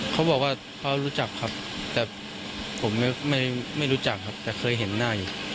เขาบอกว่าเขารู้จักครับแต่ผมไม่รู้จักครับแต่เคยเห็นหน้าอยู่